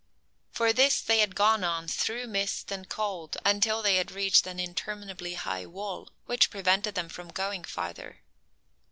For this they had gone on through mist and cold until they had reached an interminably high wall, which prevented them from going farther.